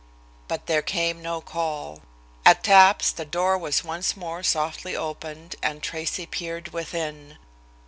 But there came no call. At taps the door was once more softly opened and Tracy peered within.